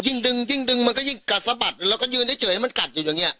ยิ่งดึงยิ่งดึงมันก็ยิ่งกัดสะบัดแล้วก็ยืนเฉยให้มันกัดอยู่อย่างนี้